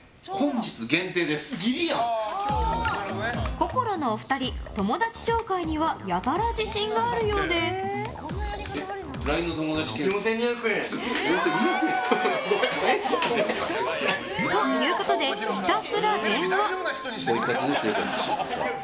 こゝろのお二人、友達紹介にはやたら自信があるようで。ということで、ひたすら電話。